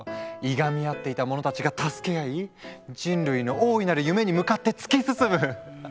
いがみ合っていた者たちが助け合い人類の大いなる夢に向かって突き進む！